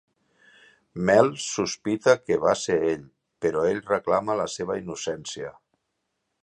Mel sospita que va ser ell però ell reclama la seva innocència.